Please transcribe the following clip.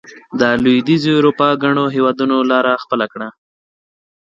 د لوېدیځې اروپا ګڼو هېوادونو لار خپله کړه.